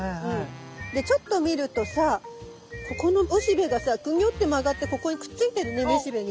でちょっと見るとさここのおしべがさグニョって曲がってここにくっついてるねめしべに。